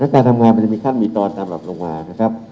การทำงานมันจะมีขั้นมีตอนตามหลักลงมานะครับ